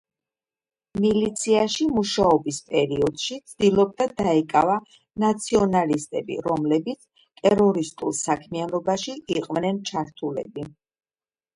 მილიციაში მუშაობის პერიოდში, ცდილობდა დაეკავა ნაციონალისტები, რომლებიც ტერორისტულ საქმიანობაში იყვნენ ჩართულები.